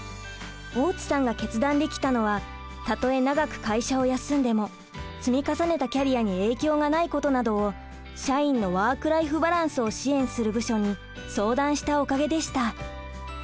大津さんが決断できたのはたとえ長く会社を休んでも積み重ねたキャリアに影響がないことなどを社員のワーク・ライフ・バランスを支援する部署に相談したおかげでした。